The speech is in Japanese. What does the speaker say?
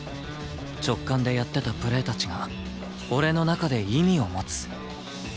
直感でやってたプレーたちが俺の中で意味を持つ